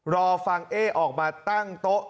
รอฟังเอ๊ออกมาตั้งโต๊ะ